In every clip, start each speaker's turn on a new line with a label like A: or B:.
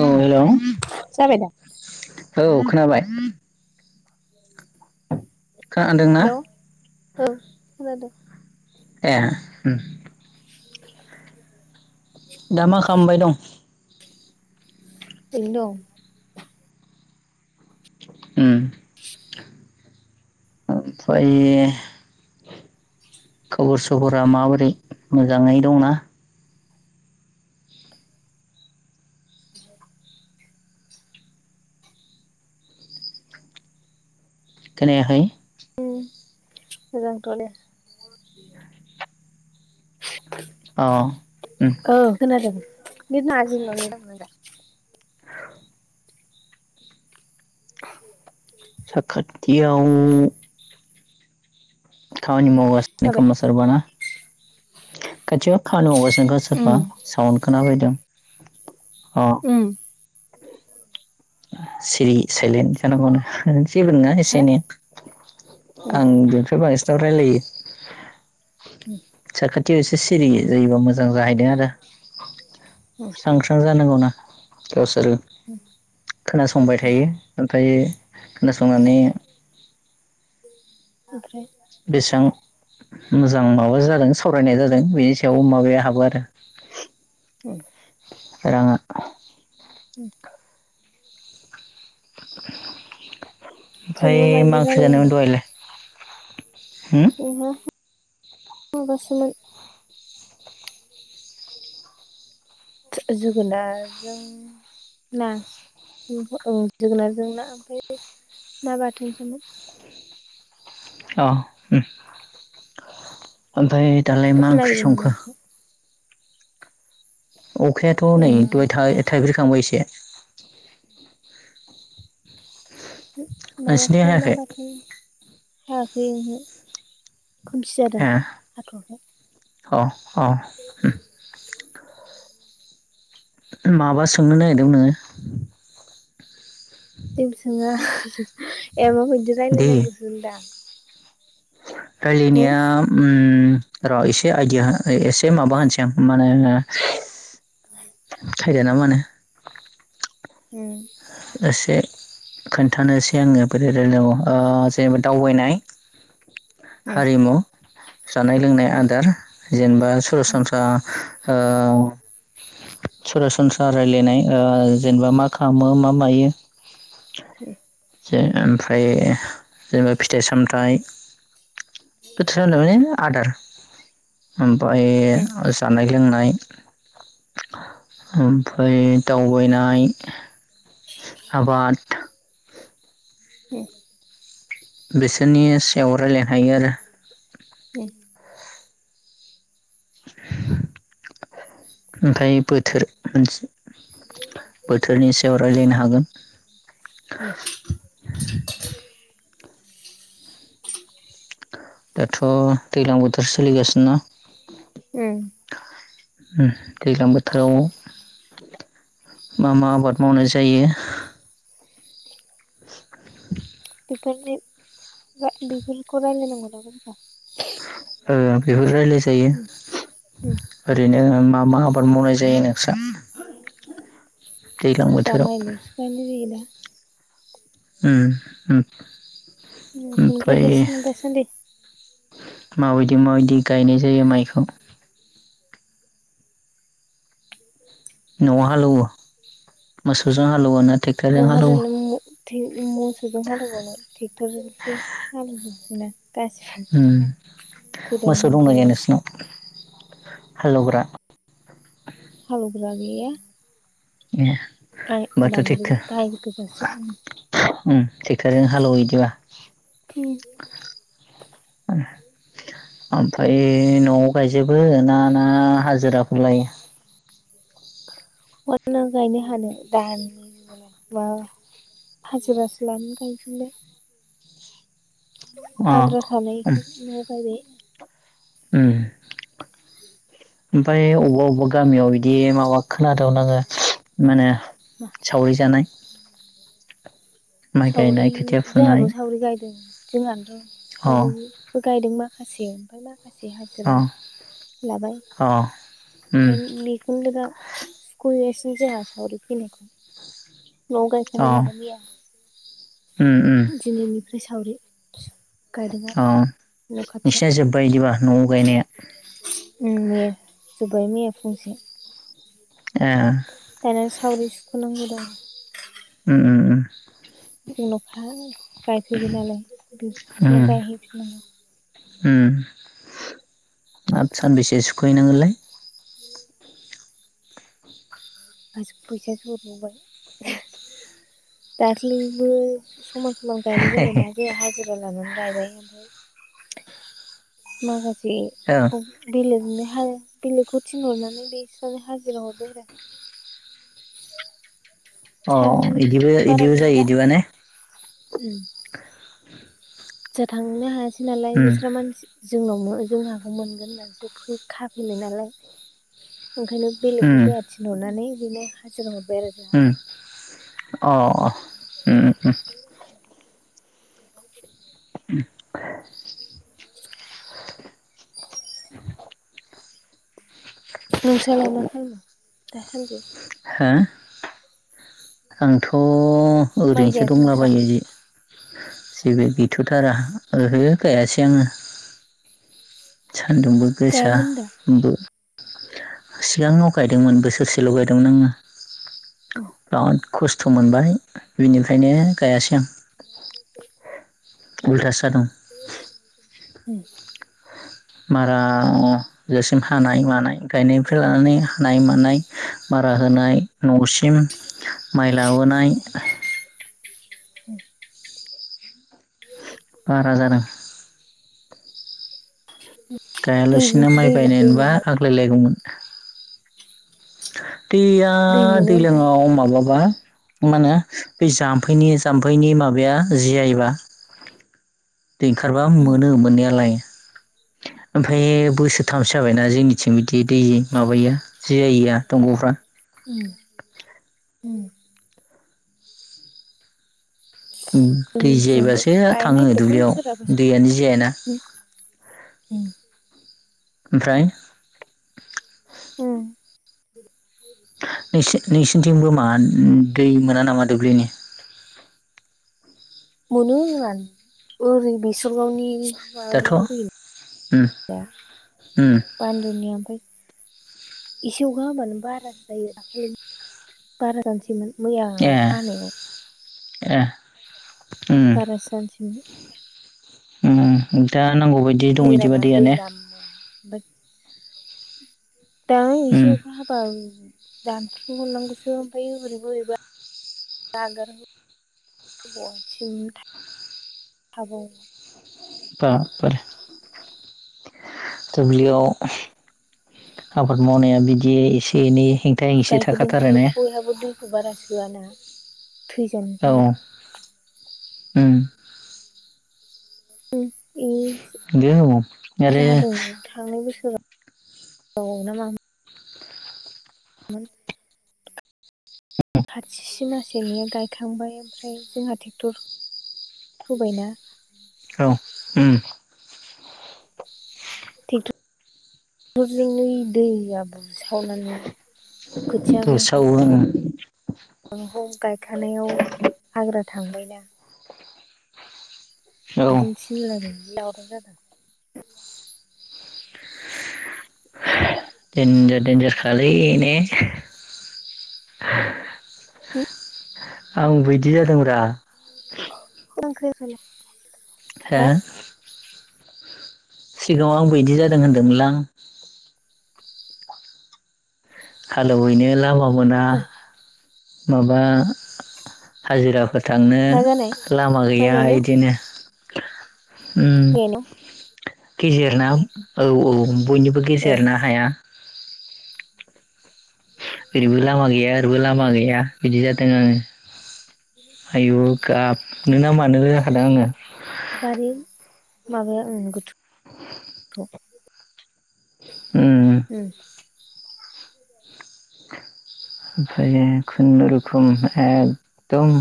A: औ हेलौ
B: जाबाय दा?
A: औ खोनाबाय खोनादोंना
B: हेलौ औ खोनादों
A: ए उम
B: [inaudible] [unintelligible]
A: दा मा खालामबाय दं
B: ऐनोदं
A: उम ओमफ्राय खबर सबरा माबोरै मोजांङै दंना
B: [inaudible] [unintelligible]
A: खोनायाखै
B: मोजां थ दे
A: अ उम
B: औ खोनादों [unintelligible]
A: साखाथि आव खामानि
B: माबाय
A: मावगासिनोखोमा सोरबा ना खाथियाव खामानि मावगासि खौ सोरबा
B: उम
A: साउड खोना बैदों अ
B: [inaudible] [unintelligible]
A: सिरि सायलेन जानांगौनो [unintelligible] जेबो नङा
B: हा
A: एसे एनै
B: उम
A: आं बेनिफ्राय बांसिनाव रायलायो
B: उम
A: साखाथि एसे सिरि जायोबा मोजां मोजां जाहैदों आरो
B: उम
A: स्रां स्रां जानांगौना सोर खोनासंबाय थायो ओमफ्राय खोनासंनानै
B: ओमफ्राय
A: बेसां मोजां माबा जादों सावरायनाय जादों बेनि सायाव माबाया हाबो आरो
B: औ
A: रां आ
B: [inaudible] [unintelligible] जेनेबा
A: ओमफ्राय
B: मायदि
A: मा ओंख्रि
B: रायलायनांगौ
A: जानायमोन दहायलाय होम
B: जोंहा माबासोमोन जोगोनार जों ना जोगोनारजों ना ओमफ्राय ना बाथोन सोमोन
A: अ उम ओमफाय दालाय मा
B: अखा
A: ओंख्रि
B: नागिरो नामा
A: संखो
B: बिसोर
A: अखाया' नै
B: जोंना ना
A: दाय थाइब्रैखांबाय एसे नोंसिनिथिं
B: माबासो ना
A: हायाखै
B: बाथोन [unintelligible] खोमसि जादों
A: ए
B: हाथवाखै
A: अ अ उम माबा सोंनो नागिरदों नोङो
B: जेबो सोंङा ए माबायदि रायलायनांगौसो होनदों आं
A: रायलाय नाया उम र' एसे आयडिया एसे माबा होनोसै आं माने थायद ना मा होनो
B: उम
A: एसे खोन्थानोसै आङो बोरैरायलायनांगौ ओ जेनेबा दावबायनाय।
B: उम
A: हारिमु। जानाय लोंनाय आदार जेनेबा सरासनस्रा ओ सरासनस्रा रायलायनाय ओ जेनेबा मा खामो मा मायो जे ओमफाय जेनेबा फिथाइ सामथाइ बोथोर [unintelligible] आदार ओमफाय
B: उम
A: जानाय लोंनाय। ओमफाय दावबायनाय आबाद
B: ओम।
A: बिसोरनि सायाव रायलाय हायो आरो।
B: ओम।
A: [inaudible] ओमफाय बोथोर मोनसे बोथोरनि सायाव रायलायनो हागोन।
B: ओम [unintelligible]
A: दाथ' दैलां बोथोर सोलिगासिनोना
B: ओम।
A: ओम दैलां बोथोराव मा मा आबाद मावनाय जायो? [inaudible]
B: बेदि बा बिफोरखौ रायलायनांगौ दां होमबा।
A: ओ बेबो रायलाय जायो
B: उम
A: ओरैनो मा मा आबाद मावनाय जायो नोंसा?
B: [inaudible] जा माइ लसो गायनाय जायो दा
A: ओम ओम।
B: ओम ओमफ्राय [unintelligible] दा सानदि
A: माबायदि माबायदि गायनाय जायो माइखौ? न'आव हालौवो मोसौजों हालौवोना
B: बहा दालाय मथि मोसौजों हालेवबावनो टेक्टरजोंसो हालेवो
A: ओम
B: गोदान
A: मोसौ दंना गैया
B: मुगायावलाय
A: नोंसिनाव? हालौग्रा।
B: हालौवग्रा गैया।
A: ए
B: गाय
A: बाथो
B: दामब्रि गाय गोजासो उम
A: टेकथो ओम टेक्ट'रजों हालौवो इदिबा
B: ओम।
A: ओम। ओमफाय न'आव गायजोबो ना ना हाजिराखो लायो?
B: बहा नो गायनो हानो [unintelligible] मा हाजिरासो लानानै गायफिनबाय
A: अ
B: आद्रा थानायखो न'आव गायबाय।
A: ओम ओमफाय अबा अबा गा गामियाव बिदि माबा खोनादो दाव आङो माने
B: मा
A: सावरि जानाय। माइ
B: सावरि
A: गायनाय खोथिया फुनाय
B: जाहाबो सावरि गायदों। जोंहाथ'
A: अ
B: सावरिबो गायदों माखासे ओमफाय मा माखासे
A: अ
B: हाजिरा लाबाय।
A: अ उम
B: ओमफाय बेखौनो दा सुखुगासिनो जोंहा सावरि फैनायखौ न आव गायखांबाय नालाय मैया।
A: ओम ओम।
B: बि सावरि गायदों आरो
A: औ
B: न' खाथियाव
A: नोंसिना जोब्बाय इदिबा? न' आव गायनाया।
B: उम मैया [unintelligible] मैया फुंसे।
A: ए
B: दाना सावरि सुख'नांगौ दं।
A: उम
B: जोंनावखा गायफैबाय नालाय
A: उम
B: बिसिनाव
A: उम
B: गायहैफिननांगौ।
A: आरो सानबेसे सुख'हैनांगोनलाय।
B: गासिबो फैसा जरबोबाय दाखलिबो समाज समान गायनाय जाबायना
A: औ
B: जेहा हाजिरा लानानै गायबाय ओमफ्राय माखासे बेखौ बिलेजोंनो बिलोखौ थिनहरनानै बेस्रावनो हाजिरा हरबाय आरो
A: अ
B: सान
A: इदिबो
B: बारा
A: इदिबो
B: गैला
A: जायो
B: दा
A: एदियाान ने।
B: जों थांनो हायासै नालाय
A: उम
B: बिस्रा मानसि जोंनाव जोंहा नाखौ मोनगोन होननानैसो फै खाफैनाय नालाय। ओंखायनो
A: उम
B: बेलेगखौ जोंहा थिनहरनानै बिनो हाजिर हरबाय आरो जोंहा।
A: उम अ ओम
B: [inaudible]
A: [inaudible]
B: नोंसोराव मा खालामो दासान्दि?
A: हो आंथ'
B: माइ
A: ओरैनोसो
B: गायाखै नोंस्रा
A: दंलाबायो जि जेबो गैथ'थारा ओहो गायासै आङो सान्दुंबो गोसा।
B: गायामोन दा
A: सिगाङाव गायदोंमोन बोसोरसेल' गायदोंमोन आङो
B: [inaudible]
A: बि खस्थ' मोनबाय बिनिफ्रायनो गायासै आं।
B: [inaudible]
A: उलथ सा दं।
B: [inaudible]
A: मारा जासिम हानाय मानाय गायनायनिफ्राय लानानै हानाय मानाय। मारा होनाय न'सिम माइ लाबोनाय।
B: [inaudible]
A: बारा जादों।
B: दै
A: गायालासिना माइ
B: दै दै
A: बायनायबा
B: मोनो
A: आग्लायलायगौमोन। दैया
B: दै मोनो ओमफ्राय
A: दैलाङाव माबाबा मा होनो बे जाम्फैनि जाम्फैनि माबाया जियायोबा। दै ओंखारबा मोनो मोननायालाय। ओमफ्राय बोसोरथामसो जाबायना जोंनिथिं। बिदि दैयै माबाया जि जायैया दंग'फ्रा।
B: उम [inaudible]
A: दै
B: जोंनिथिंबो
A: जायोबासो
B: गायनो
A: थाङो
B: नागिरदोंमोन
A: दुब्लियाव दैयानो जायाना।
B: ओम
A: ओमफ्राय
B: उम
A: नों नोंसिनिथिंबो मान दै मोना नामा दुब्लिनि
B: मोनो जोन ओरै बेसरगावनि
A: दाथ'
B: माबानिया
A: उम
B: फैयो
A: उम
B: बान्दोनिया ओमफ्राय एसे अखा होबानो बारासो जायो दाखालि बार जानसैमोन। मैया
A: ए
B: अखा हानायाव।
A: ए उम
B: बारासैजानोसै
A: उम दा नांगौ बायदि दं इदिबा
B: जिरायनानै
A: दैया
B: दै
A: ने।
B: लामा ओमफ्राय दां
A: उम
B: एसे अखा हाबा रानथ्र' हरनांगौसो ओमफ्राय बोरैबो बोरैबा नागार [unintelligible]
A: बा बारे। दुब्लियाव आबाद मावनाया बिदि एसे एनै हेंथा हेंसि थाखाथारो
B: गायगोदानखाय
A: ने
B: बयहाबो दैखौ बारा सोआना। थैजानो
A: औ
B: गियो।
A: उम।
B: [unintelligible]
A: नंगौ आरो
B: जादों थांनाय बोसोराव राव ना मा मोन? खाथि सिमासेनिया गायखांबाय। ओमफ्राय जोंहा ट्रेक्टर हुबायना।
A: औ उम।
B: टेकटरजों यै दैया बुसावनानै। खोथियाखौ
A: बुसावो ओ।
B: औ गायखानायाव हाग्रा थांबायना।
A: औ
B: [unintelligible] [inaudible]
A: देन्जार देन्जार खालै ने?
B: [inaudible]
A: आं बिदि जादोंब्रा।
B: [unintelligible]
A: हो? सिगाङाव आंबो इदि जादों होनदोंमोनलां। हालौ हैनो लामा मोना।
B: मा
A: माबा हाजिराफोर थांनो
B: मा जानाय
A: लामा
B: माइ
A: गैया
B: गायनायाव
A: इदिनो। उम
B: माइ गायनायाव
A: गेजेरना। औ औ बयनिबो
B: ओ
A: गेजेर ना हाया। ओरैबो लामा गैया ओरैबो लामा गैया बिदि जादों आङो। आयु! गाबनोना मानो जाखादों आङो।
B: बारि माबाया ओं गोथौथ'।
A: उम
B: [inaudible]
A: ओमफाय खुनुरुखुम एकदम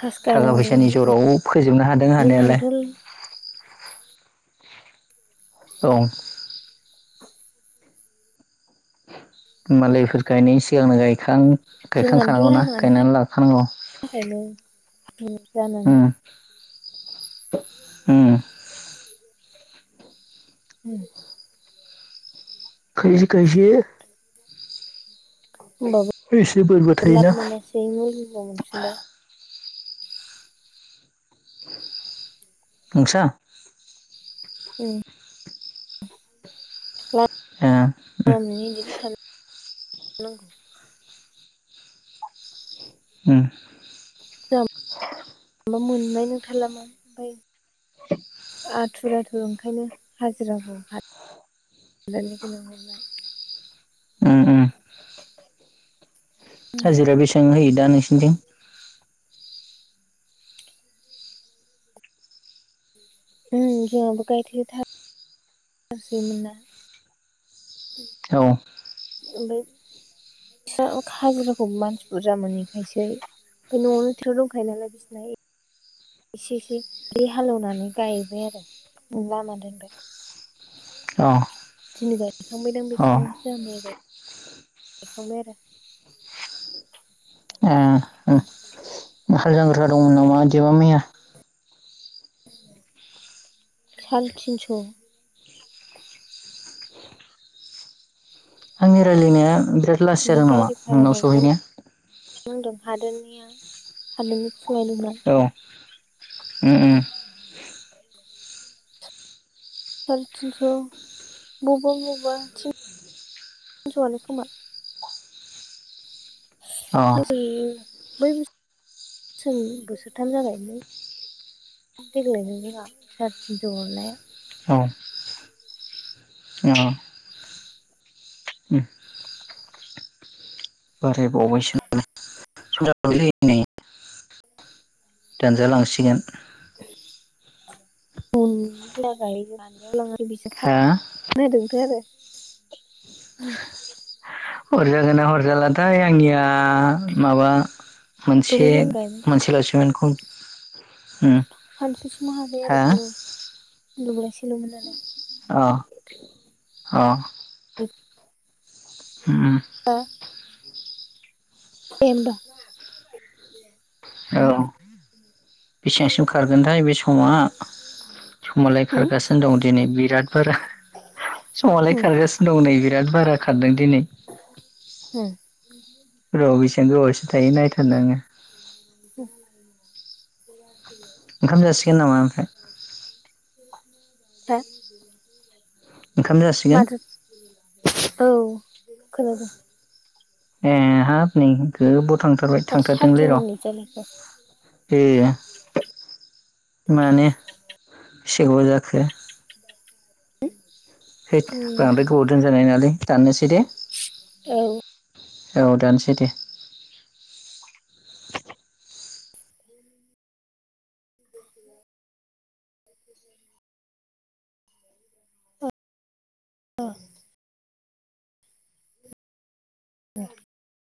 B: फार्स्ट
A: थाखा
B: गायनांगौ
A: फैसानि ज'राव फोजोबनो हादों हानायालाय।
B: जोंहानोथ'
A: औ। मालायफोर गायनायनि सिगांनो गायखां
B: जोंहानोथ'
A: गायखांखानांगौना
B: लामानि
A: गायनानै लाखानांगौ।
B: थाखायनो [unintelligible] जानानै।
A: उम उम।
B: [inaudible]
A: खायसे खायसे एसे बोरबो
B: होमबाबो लाब
A: थायोना
B: मोनासै मुलनिल'' मोनफिनबाय।
A: नोंसा?
B: उम।
A: एह उम।
B: नोंगौ।
A: [inaudible]
B: [unintelligible] मोननाय नोंथारलामोन ओमफाय आथुर आथु ओंखायनो हाजिराखौ [unintelligible] लिंहरनाय
A: ओम ओम। हाजिरा बेसेबां होयो दा नोंसिनिथिं?
B: उम जोंहाबो गायथे था फ [unintelligible] सोयोमोनना।
A: औ।
B: ओमफाय [unintelligible] हाजिराखौ मानसि बुरजा मोनिखायसै ओमफाय न'आवनो [unintelligible] दंखायो नालाय बिसिना इसे इसे रि हालेवनानै गायबाय आरो लामा दोनबाय।
A: अ।
B: दिनै गायखांबाय दां
A: अ
B: बिस्राबो जोहा मैया गाय गायखांबाय आरो
A: ए
B: [inaudible]
A: हाल जांख्रा दंमोन नामा इदिबा मैया?
B: सालथिनस'।
A: आंनि रायलायनाया बिराद लासै
B: ओमफ्राय
A: जादों नामा
B: गारि भारा
A: नोंनाव
B: हरबावनांगौ
A: सहैनाया?
B: नांदों हादोरनिया हादाननिखौसो लायदोंमोन लां।
A: औ उम उम।
B: साराय थिनस' बबा बबा थिन स'यानो खोमा। बै [unintelligible]
A: अ औ
B: बोसोरनि बोसोरथाम जाबायलै देग्लायजों जोंहा साराय थिनस' हरनाया।
A: अ उम बारायबावबायसो [unintelligible] नामा [unintelligible] दानजालांसिगोन।
B: [unintelligible]
A: हा
B: [unintelligible]
A: हरजागोनना हरजालाथाय आंनिया माबा मोनसे
B: दब्लायजों गायबाय
A: मोनसे
B: जोंनिया
A: लासमोनखम
B: सानसुसिम हाबाय आरो
A: हा
B: खुनुर खुम दब्लायसेल'मोन नालाय।
A: अ अ। होम
B: हा दे होमबा।
A: औ बेसेबांसिम खारगोनथाय बे समा समालाय
B: होम
A: खारगासिनो दं दिनै बिराद बारा समालाय
B: होम
A: खारगासिनो दं नै बिराद बारा खारदों दिनै।
B: होम
A: र' बेसेबां गोबावसिश थायो नायथारनो आङो
B: [inaudible]
A: ओंखाम जासिगोन नामा ओमफ्राय?
B: हो?
A: ओंखाम जासिगोन?
B: औ खोनादों।
A: ए हाब नोंनिखौ गोबुद थांथारबाय
B: माथो
A: थांथारदोंलै
B: थारटिन
A: र'
B: मिनिट जालायखो
A: ए मानि सेब' जाखो।
B: [inaudible]
A: हैद बांद्राय गोबाव दोनजानाय नङालै दाननोसै दे?
B: औ।
A: औ दानोसै दे।
B: [unintelligible] [inaudible] [inaudible]